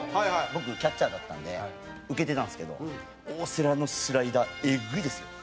僕キャッチャーだったんで受けてたんですけど大瀬良のスライダーエグいですよ。